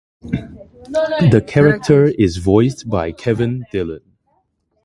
The character is voiced by Kevin Dillon.